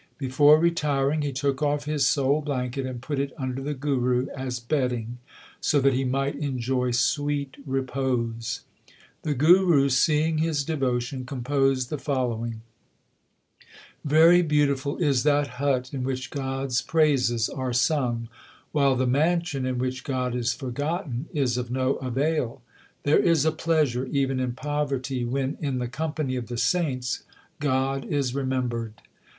Before retiring he took off his sole blanket, and put it under the Guru as bedding, so that he might enjoy sweet repose. The Guru, seeing his devotion, composed the following : Very beautiful is that hut in which God s praises are sung, While the mansion in which God is forgotten is of no avail. There is a pleasure even in poverty when in the company of the saints God is remembered.